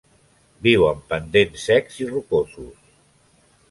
Viu en pendents secs i rocosos.